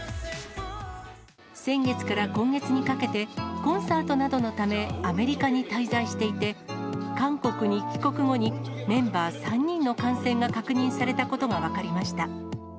先月から今月にかけて、コンサートなどのため、アメリカに滞在していて、韓国に帰国後に、メンバー３人の感染が確認されたことが分かりました。